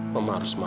mama harus minum ya